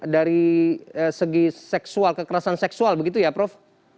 dari segi seksual kekerasan seksual begitu ya prof